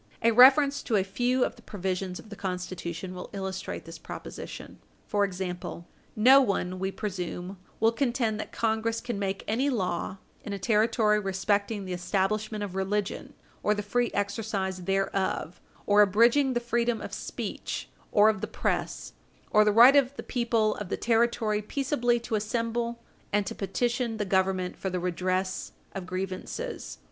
A reference to a few of the provisions of the Constitution will illustrate this proposition. For example, no one, we presume, will contend that Congress can make any law in a Territory respecting the establishment of religion, or the free exercise thereof, or abridging the freedom of speech or of the press, or the right of the people of the Territory peaceably to assemble and to petition the Government for the redress of grievances.